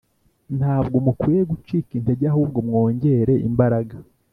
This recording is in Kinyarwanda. Ntabwo mukwiye gucika intege ahubwo mwongere imbaraga